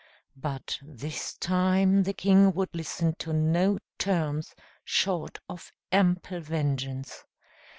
But this time the king would listen to no terms short of ample vengeance.